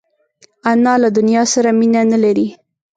انا له دنیا سره مینه نه لري